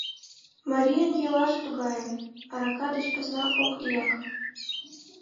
Марийын йӱлаже тугае: арака деч посна ок лияк...